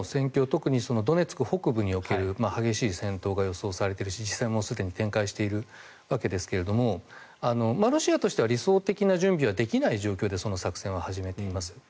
特にドネツク北部における激しい戦闘が予想されている戦いも展開されているわけですがロシアとしては理想的な準備はできない状況でその作戦を始めています。